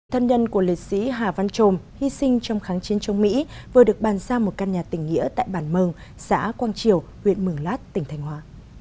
thân nhân của liệt sĩ hà văn trồm hy sinh trong kháng chiến chống mỹ vừa được bàn ra một căn nhà tỉnh nghĩa tại bản mờng xã quang triều huyện mường lát tỉnh thành hóa